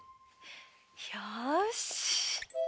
よし。